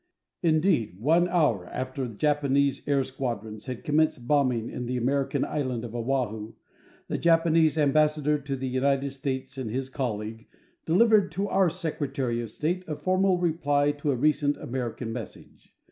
Indeed, one hour after Japanese air squadrons had commenced bombing in the American island of Oahu, the Japanese ambassador to the United States and his colleague delivered to our Secretary of State a formal reply to a recent American message.